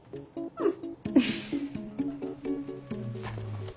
うん。